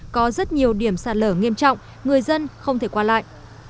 có rất nhiều điểm sạt lở nghiêm trọng người dân không thể qua lại